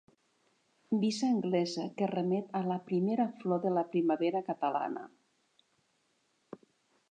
Visa anglesa que remet a la primera flor de la primavera catalana.